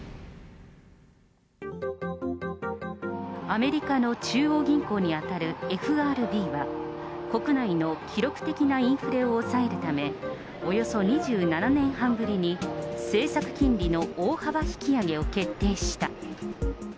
アメリカの中央銀行に当たるＦＲＢは、国内の記録的なインフレを抑えるため、およそ２７年半ぶりに政策金利の大幅引き上げを決定した。